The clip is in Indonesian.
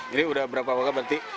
jadi berapa warga berarti